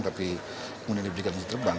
tapi kemudian diberikan izin terbang